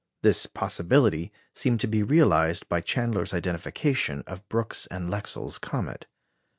This possibility seemed to be realized by Chandler's identification of Brooks's and Lexell's comet.